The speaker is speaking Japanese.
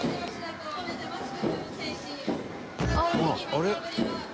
「あれ？」